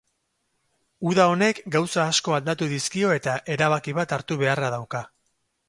Uda honek gauza asko aldatu dizkio eta erabaki bat hartu beharra dauka.